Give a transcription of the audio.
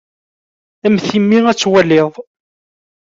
A mm timmi ad twaliḍ.